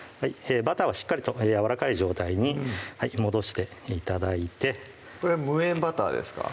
バターはしっかりとやわらかい状態に戻して頂いてこれ無塩バターですか？